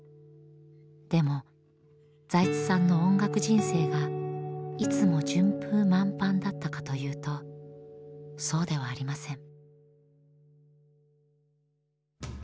でも財津さんの音楽人生がいつも順風満帆だったかというとそうではありません。